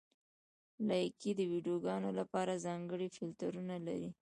لایکي د ویډیوګانو لپاره ځانګړي فېلټرونه لري.